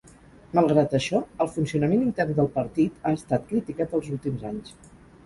Malgrat això, el funcionament intern del partit ha estat criticat els últims anys.